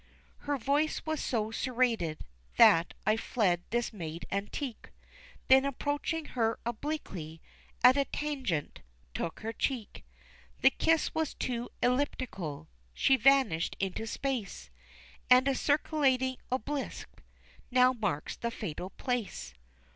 _" Her voice was so serrated that I fled this maid antique; Then, approaching her obliquely, at a tangent took her cheek! The kiss was too elliptical! She vanished into space! And a circulating obelisk now marks the fatal place.